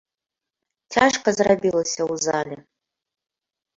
Цяжка зрабілася ў зале.